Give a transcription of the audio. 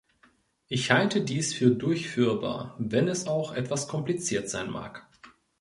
Ich halte dies für durchführbar, wenn es auch etwas kompliziert sein mag.